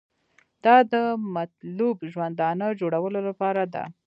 دا د مطلوب ژوندانه جوړولو لپاره ده.